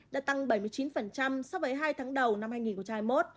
đã tăng bảy mươi chín so với hai tháng đầu năm hai nghìn hai mươi một